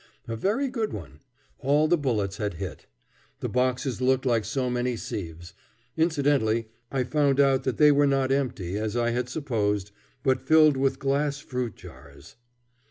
A very good one. All the bullets had hit. The boxes looked like so many sieves. Incidentally I found out that they were not empty, as I had supposed, but filled with glass fruit jars.